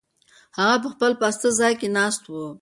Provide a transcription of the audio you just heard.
هغه په خپل پاسته ځای کې ناست و.